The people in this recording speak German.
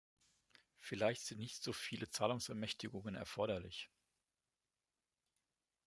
Vielleicht sind nicht so viele Zahlungsermächtigungen erforderlich.